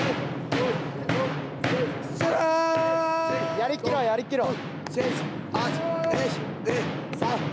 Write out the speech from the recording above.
やりきろう、やりきろう。